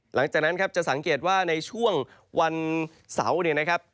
หลังจากนั้นจะสังเกตว่าในช่วงวันเสา